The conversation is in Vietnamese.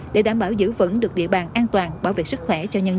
để đảm bảo giữ vững được địa bàn an toàn bảo vệ sức khỏe cho nhân dân